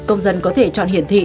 công dân có thể chọn hiển thị